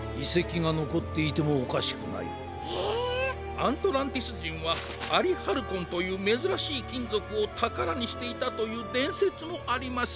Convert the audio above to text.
アントランティスじんはアリハルコンというめずらしいきんぞくをたからにしていたというでんせつもあります。